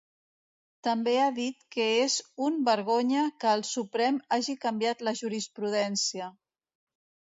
També ha dit que és un vergonya que el Suprem hagi canviat la jurisprudència.